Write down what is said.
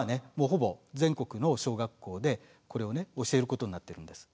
ほぼ全国の小学校でこれをね教えることになってるんです。